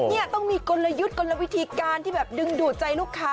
นี่ต้องมีกลยุทธ์กลวิธีการที่แบบดึงดูดใจลูกค้า